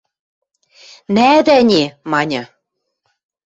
– Нӓдӓ ӹне... – маньы.